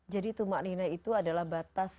jadi tumak ninah itu adalah batas